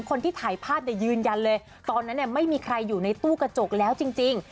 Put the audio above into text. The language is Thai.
คนที่ถ่ายภาพยืนยันเลยตอนนั้นไม่มีใครอยู่ในตู้กระจกแล้วจริง